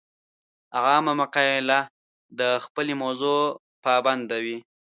عامه مقاله د خپلې موضوع پابنده وي.